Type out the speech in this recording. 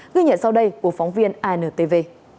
ghi nhận sau đây của phóng viên antv